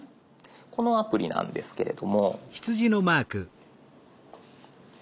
このアプリなんですけれども。